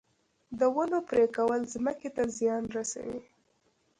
د ونو پرې کول ځمکې ته زیان رسوي